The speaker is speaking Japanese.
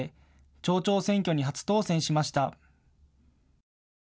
町長選挙に初当選しました。